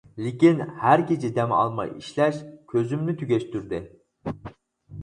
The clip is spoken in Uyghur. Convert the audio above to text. لېكىن ھەر كېچە دەم ئالماي ئىشلەش كۆزۈمنى تۈگەشتۈردى.